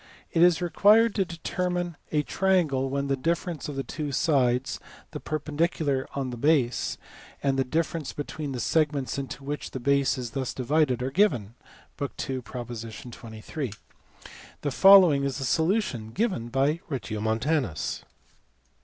It is required to determine a REGIOMONTANUS. 207 triangle when the difference of two sides, the perpendicular on the base, and the difference between the segments into which the base is thus divided are given (book ii., prop. 23). The following is the solution given by Regiomontanus.